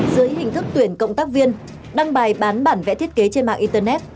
dưới hình thức tuyển cộng tác viên đăng bài bán bản vẽ thiết kế trên mạng internet